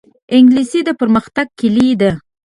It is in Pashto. انګلیسي د پرمختګ کلي ده